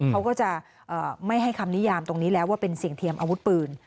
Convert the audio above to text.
เขาก็จะไม่ให้คำนิยามตรงนี้แล้วว่าเป็นสิ่งเทียมอาวุธปืน